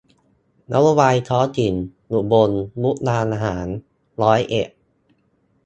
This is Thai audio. นโยบายท้องถิ่น อุบลมุกดาหารร้อยเอ็ด